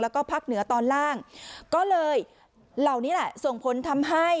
แล้วก็ภาคเหนือตอนล่างก็เลยเหล่านี้แหละส่งผลทำให้